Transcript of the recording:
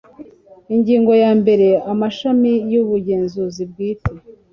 ingingo ya mbere amashami y ubugenzuzi bwite